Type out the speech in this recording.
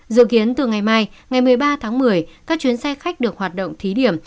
dự kiến từ ngày mai ngày một mươi ba tháng một mươi các chuyến xe khách được hoạt động thí điểm